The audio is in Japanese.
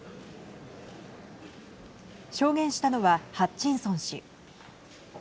証言したのはハッチンソン氏。